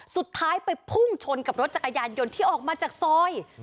สุดท้ายไปพุ่งชนกับรถจักรยานยนต์ที่ออกมาจากซอย